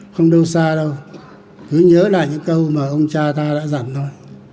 không đâu xa đâu cứ nhớ lại những câu mà ông cha ta đã dặn thôi